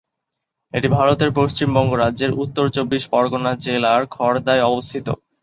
এটি ভারতের পশ্চিমবঙ্গ রাজ্যের উত্তর চব্বিশ পরগণা জেলার খড়দায় অবস্থিত।